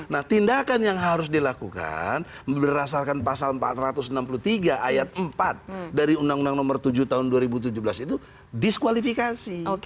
nah tindakan yang harus dilakukan berdasarkan pasal empat ratus enam puluh tiga ayat empat dari undang undang nomor tujuh tahun dua ribu tujuh belas itu diskualifikasi